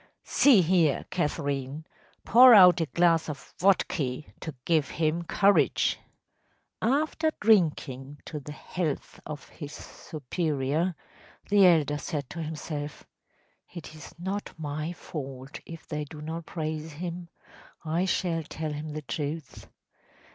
See here, Catherine, pour out a glass of vodka to give him courage!‚ÄĚ After drinking to the health of his superior, the elder said to himself: “It is not my fault if they do not praise him. I shall tell him the truth.